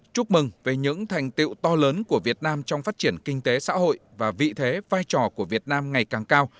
chúc mừng về những thành tiệu to lớn của việt nam trong phát triển kinh tế xã hội và vị thế vai trò của việt nam ngày càng cao